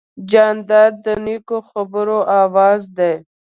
جانداد د نیکو خبرو آواز دی.